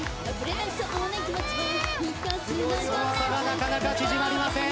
その差はなかなか縮まりません。